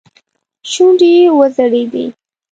شونډې يې وځړېدې.